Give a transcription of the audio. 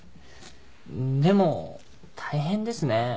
でも大変ですね。